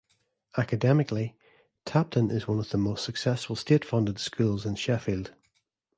Academically, Tapton is one of the most successful state-funded schools in Sheffield.